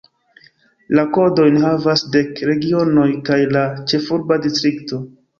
La kodojn havas dek regionoj kaj la ĉefurba distrikto.